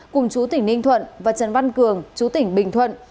cùng chú tỉnh ninh thuận và trần văn cường chú tỉnh bình thuận